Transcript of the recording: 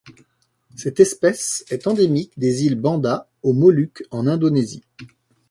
Cette espèce est endémique des îles Banda aux Moluques en Indonésie.